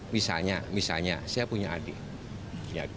misalnya misalnya saya punya adik